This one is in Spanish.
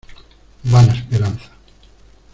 vana esperanza.